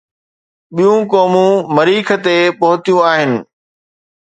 ٻيون قومون مريخ تي پهتيون آهن.